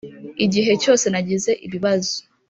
igihe cyose nagize ibibazo